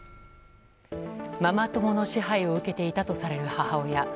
ママ友の支配を受けていたとされる母親。